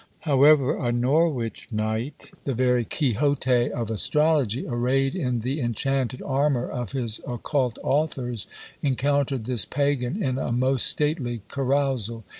However, a Norwich knight, the very Quixote of astrology, arrayed in the enchanted armour of his occult authors, encountered this pagan in a most stately carousal.